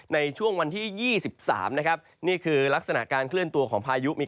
ในช่วงวันที่๒๓นะครับนี่คือลักษณะการเคลื่อนตัวของพายุมี